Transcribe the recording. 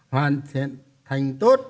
hoàn thành tốt